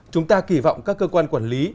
chúng ta kỳ vọng các cơ quan quản lý